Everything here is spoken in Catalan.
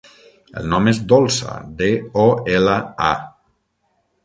El nom és Dolça: de, o, ela, a.